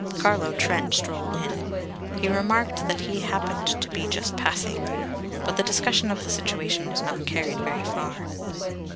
Carlo Trent strolled in; he remarked that he happened to be just passing. But the discussion of the situation was not carried very far.